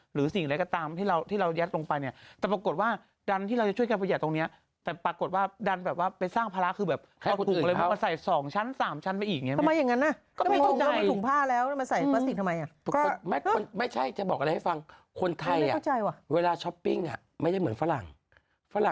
หรือสิ่งอะไรก็ตามที่เราที่เรายัดลงไปเนี่ยแต่ปรากฏว่าดันที่เราจะช่วยกันประหยัดตรงเนี้ยแต่ปรากฏว่าดันแบบว่าไปสร้างภาระคือแบบเอาถุงอะไรมาใส่สองชั้นสามชั้นไปอีกอย่างเงี้ทำไมอย่างนั้นมาใส่พลาสติกทำไมอ่ะไม่ใช่จะบอกอะไรให้ฟังคนไทยอ่ะเข้าใจว่ะเวลาช้อปปิ้งอ่ะไม่ได้เหมือนฝรั่งฝรั่ง